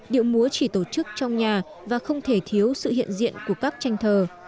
điệu múa chỉ tổ chức trong nhà và không thể thiếu sự hiện diện của các tranh thờ